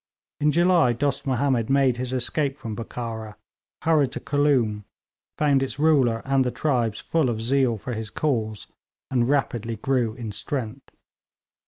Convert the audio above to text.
In July Dost Mahomed made his escape from Bokhara, hurried to Khooloom, found its ruler and the tribes full of zeal for his cause, and rapidly grew in strength.